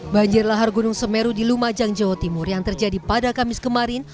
banjir lahar gunung semeru di lumajang jawa timur yang terjadi pada kamis kemarin